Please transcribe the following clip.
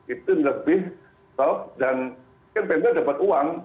itu lebih top dan kan pemerintah dapat uang